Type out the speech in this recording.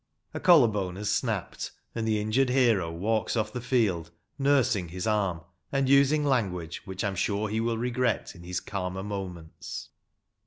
A collar bone has snapped, and the injured hero walks off the field nursing his arm, and using language which I am sure he will regret in his calmer moments.